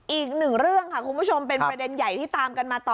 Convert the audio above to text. อีกหนึ่งเรื่องค่ะคุณผู้ชมเป็นประเด็นใหญ่ที่ตามกันมาต่อ